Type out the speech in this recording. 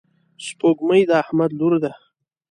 سپوږمۍ د احمد لور ده.